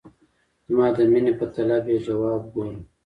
زما د میني په طلب یې ځواب ګوره !